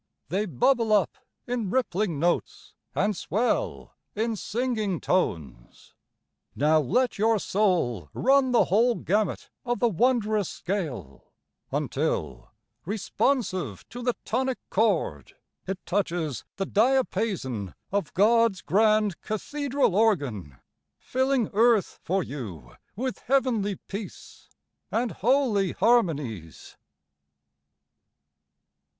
They bubble up in rippling notes, and swell in singing tones. Now let your soul run the whole gamut of the wondrous scale Until, responsive to the tonic chord, It touches the diapason of God's grand cathedral organ, Filling earth for you with heavenly peace And holy harmonies.